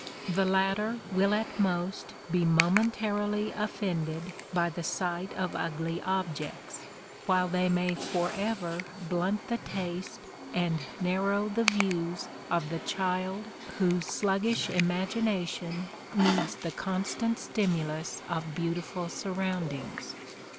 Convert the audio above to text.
The latter will at most be momentarily offended by the sight of ugly objects; while they may forever blunt the taste and narrow the views of the child whose sluggish imagination needs the constant stimulus of beautiful surroundings.